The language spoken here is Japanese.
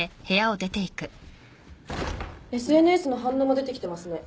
ＳＮＳの反応も出てきてますね。